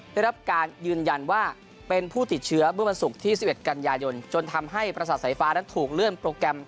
ได้รับการยืนยันว่าเป็นผู้ติดเชื้อเบื้อบรรศุกร์ที่สิบเอ็ดกรรยายนจนทำให้ภรรษษไสฟ้านั้นถูกเลื่อนโปรแกรม